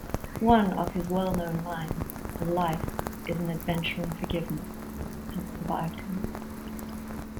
One of his well-known lines, "Life is an adventure in forgiveness," has survived him.